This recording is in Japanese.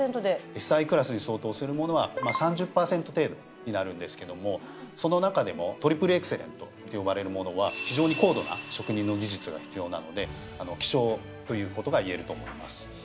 ＳＩクラスに相当するものは３０％程度になるんですけどもその中でもトリプルエクセレントって呼ばれるものは非常に高度な職人の技術が必要なので希少ということが言えると思います。